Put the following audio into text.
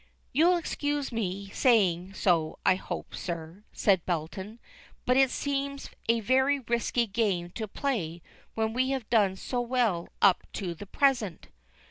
"You'll excuse my saying so, I hope, sir," said Belton, "but it seems a very risky game to play when we have done so well up to the present."